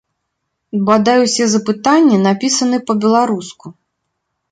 Бадай усе запытанні напісаны па-беларуску.